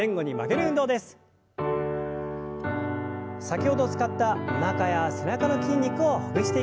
先ほど使ったおなかや背中の筋肉をほぐしていきましょう。